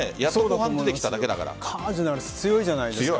カージナルス強いじゃないですか。